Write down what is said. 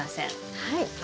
はい。